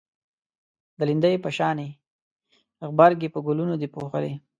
د لیندۍ په شانی غبرگی په گلونو دی پوښلی